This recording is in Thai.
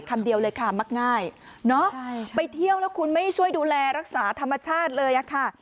คำเดียวเลยค่ะมักง่ายเนาะไปเที่ยวแล้วคุณไม่ช่วยดูแลรักษาธรรมชาติเลยอะค่ะ